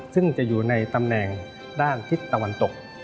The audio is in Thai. ซึ่งจะอยู่ในตำแหน่งด้านทิศตะวันตก